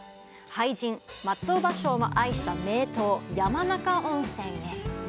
俳人・松尾芭蕉も愛した名湯山中温泉へ。